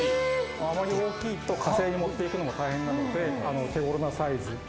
あまり大きいと火星に持って行くのも大変なので手頃なサイズ。